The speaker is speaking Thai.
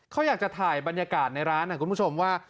เขาอยากจะถ่ายบรรยากาศในร้านนะคุณผู้ชมว่า